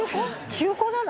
中古なの？